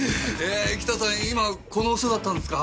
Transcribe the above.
キタさん今この署だったんすか？